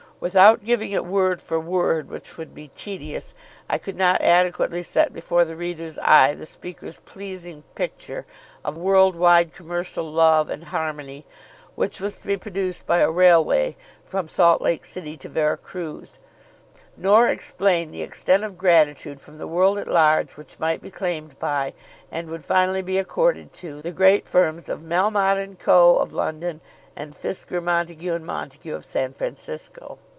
Without giving it word for word, which would be tedious, I could not adequately set before the reader's eye the speaker's pleasing picture of world wide commercial love and harmony which was to be produced by a railway from Salt Lake City to Vera Cruz, nor explain the extent of gratitude from the world at large which might be claimed by, and would finally be accorded to, the great firms of Melmotte & Co. of London, and Fisker, Montague, and Montague of San Francisco.